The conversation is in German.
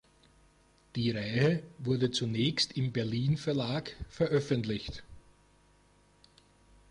Die Reihe wurde zunächst im Belin Verlag veröffentlicht.